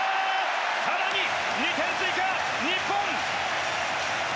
更に２点追加日本！